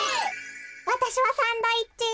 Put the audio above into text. わたしはサンドイッチ。